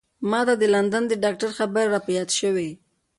ما ته د لندن د ډاکتر خبرې را په یاد شوې.